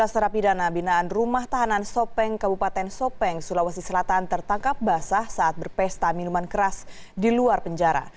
tiga belas terapi dana binaan rumah tahanan sopeng kabupaten sopeng sulawesi selatan tertangkap basah saat berpesta minuman keras di luar penjara